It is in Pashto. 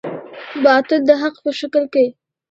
باطل د حق په شکل کې.